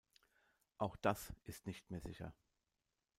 Auch das ist nicht mehr sicher.